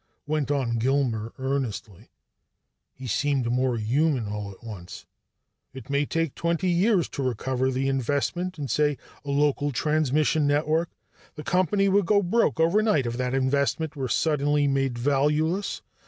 went on Gilmer earnestly. He seemed more human, all at once. "It may take twenty years to recover the investment in, say, a local transmission network. The company would go broke overnight if that investment were suddenly made valueless.